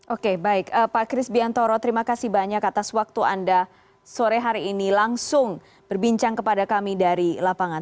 oke baik pak kris biantoro terima kasih banyak atas waktu anda sore hari ini langsung berbincang kepada kami dari lapangan